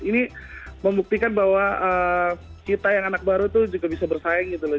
ini membuktikan bahwa kita yang anak baru itu juga bisa bersaing gitu loh